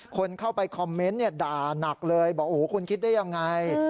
คนเข้าไปคอมเมนต์ด่านักเลยบอกโอ้โหคุณคิดได้ยังไง